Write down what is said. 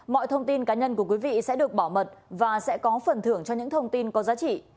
mọi thông tin cá nhân của quý vị sẽ được bảo mật và sẽ có phần thưởng cho những thông tin có giá trị